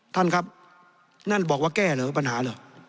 ท่านครับนั่นบอกว่าแก้เหรอปัญหาเหรอ